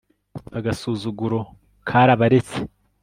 agasuzuguro karabaretse